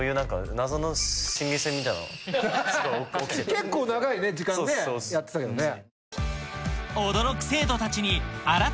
結構長い時間ねやってたけどね。